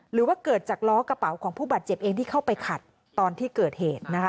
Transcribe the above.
หรือว่าเกิดจากล้อกระเป๋าของผู้บาดเจ็บเองที่เข้าไปขัดตอนที่เกิดเหตุนะคะ